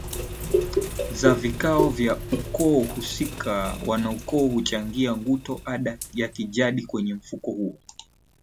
za vikao vya ukoo husika Wanaukoo huchangia Nguto ada ya kijadi kwenye mfuko huo